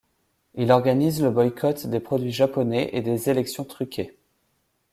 Il organise le boycott des produits japonais et des élections truquées.